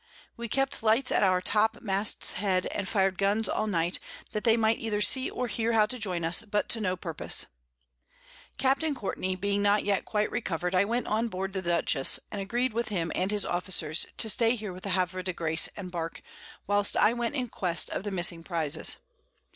We kept Lights at our Top mast's Head, and fir'd Guns all Night, that they might either see or hear how to join us, but to no Purpose. Capt. Courtney being not yet quite recover'd, I went on board the Dutchess, and agreed with him and his Officers, to stay here with the Havre de Grace and Bark, whilst I went in quest of the missing Prizes.